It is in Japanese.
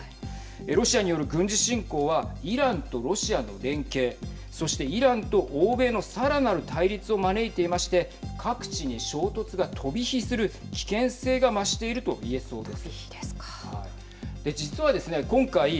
ロシアによる軍事侵攻はイランとロシアの連携そして、イランと欧米のさらなる対立を招いていまして各地に衝突が飛び火する危険性が増しているといえそうです。